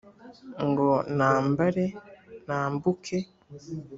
Ngo nambare nambuke.